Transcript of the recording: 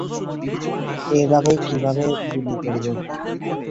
এভাবে কীভাবে গুলি করব!